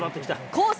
コース